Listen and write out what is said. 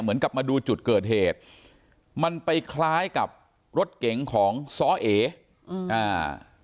เหมือนกับมาดูจุดเกิดเหตุมันไปคล้ายกับรถเก๋งของซ้อเออืมอ่า